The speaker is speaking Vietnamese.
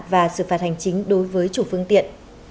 và xử phạt hành chính đối với chủ phương tiện